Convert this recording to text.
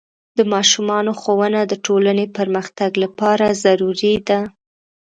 د ماشومانو ښوونه د ټولنې پرمختګ لپاره ضروري ده.